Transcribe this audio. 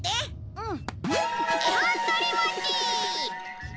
うん。